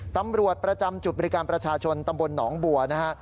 ตำรวจประจำจุดบริการประชาชนตำบลหนองบัวนะฮะ